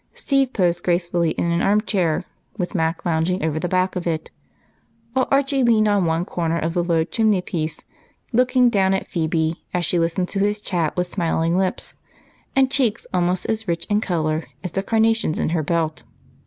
Steve posed gracefully in an armchair, with Mac lounging over the back of it, while Archie leaned on one corner of the low chimneypiece, looking down at Phebe as she listened to his chat with smiling lips and cheeks almost as rich in color as the carnations in her belt.